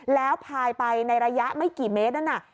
แล้วพายไปในระยะไม่กี่เมตรนั่นน่ะ